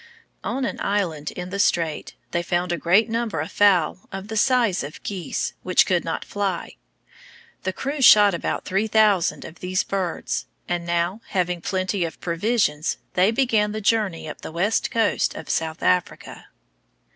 On an island in the strait they found a great number of fowl of the size of geese, which could not fly. The crew shot about three thousand of these birds, and now, having plenty of provisions, they began the journey up the west coast of South America.